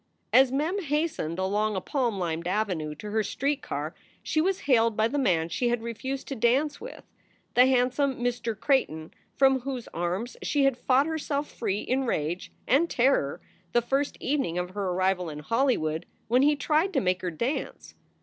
As Mem hastened along a palm lined avenue to her street car she was hailed by the man she had refused to dance with, the handsome Mr. Creighton from whose arms she had fought herself free in rage and terror the first evening of her arrival in Hollywood when he tried to make her dance.